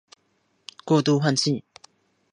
过度换气综合症是晕眩症十分常见的诱因。